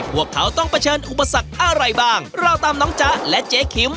พวกเขาต้องเผชิญอุปสรรคอะไรบ้างเราตามน้องจ๊ะและเจ๊คิม